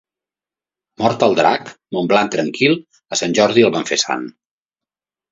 Mort el drac, Montblanc tranquil, a sant Jordi el van fer sant.